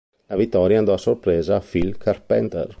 La vittoria andò, a sorpresa, a Phil Carpenter.